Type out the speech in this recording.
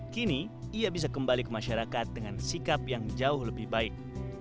kini ia bisa kembali ke masyarakat dengan sikap yang jauh lebih baik